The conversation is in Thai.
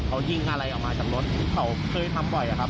เขายิงอะไรออกมาจากรถที่เขาเคยทำบ่อยอะครับ